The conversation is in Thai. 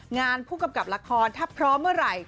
งานผู้กำกับละครถ้าพร้อมเมื่อไหร่